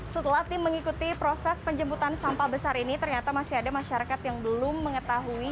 setelah tim mengikuti proses penjemputan sampah besar ini ternyata masih ada masyarakat yang belum mengetahui